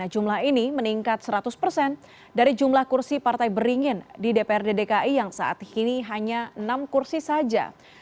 jumlah ini meningkat seratus persen dari jumlah kursi partai beringin di dprd dki yang saat ini hanya enam kursi saja